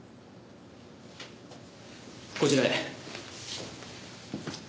こちらへ。